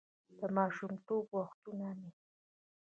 «د ماشومتوب وختونه مې: